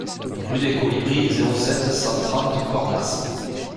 Rue des Colibris, zéro sept, cent trente Cornas